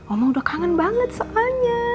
omong udah kangen banget soalnya